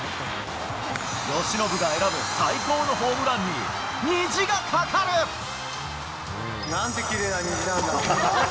由伸が選ぶ、最高のホームランに、なんてきれいな虹なんだ。